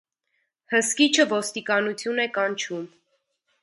Հսկիչը ոստիկանություն է կանչում։